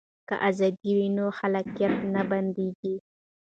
که ازادي وي نو خلاقیت نه بنديږي.